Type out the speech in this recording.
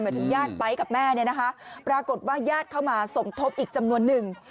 ถึงญาติไป๊กับแม่เนี่ยนะคะปรากฏว่าญาติเข้ามาสมทบอีกจำนวนหนึ่ง